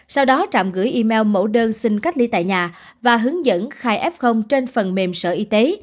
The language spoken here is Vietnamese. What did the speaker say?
sau đó trạm gửi email mẫu đơn xin cách ly tại nhà và hướng dẫn khai f trên phần mềm sở y tế